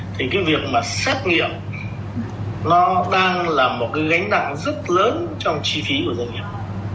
thì cái việc mà xét nghiệm nó đang là một cái gánh nặng rất lớn trong chi phí của doanh nghiệp